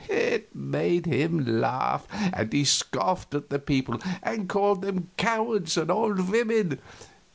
It made him laugh, and he scoffed at the people and called them cowards and old women.